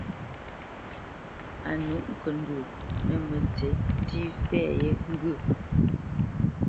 A nûʼ ŋkəndwô nə̂ mətsiʼ ntî fɛ̌ yé ŋgyə̂.